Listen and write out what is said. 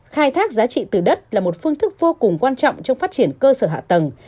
khai thác giá trị từ đất là một phương thức vô cùng quan trọng trong phát triển cơ sở hạ tầng